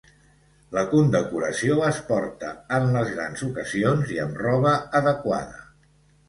La condecoració es porta en les grans ocasions i amb roba adequada.